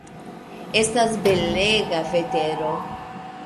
Estas belega vetero.